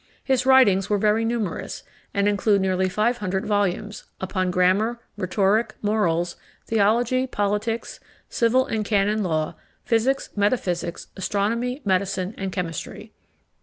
His writings were very numerous, and include nearly five hundred volumes, upon grammar, rhetoric, morals, theology, politics, civil and canon law, physics, metaphysics, astronomy, medicine, and chemistry.